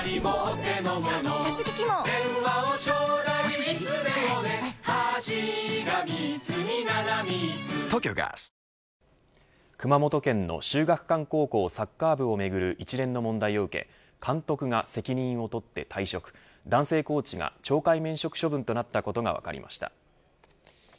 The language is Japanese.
しかし前半３９分熊本県の秀岳館高校サッカー部をめぐる一連の問題を受け、監督が責任を取って退職男性コーチが懲戒免職処分となったことが分かりました。